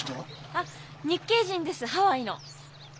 あっ日系人ですハワイの。